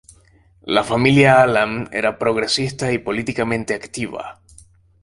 La familia Allan era progresista y políticamente activa.